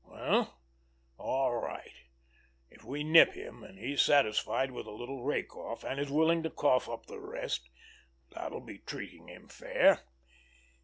Well, all right! If we nip him, and he's satisfied with a little rake off, and is willing to cough up the rest, that'll be treating him fair.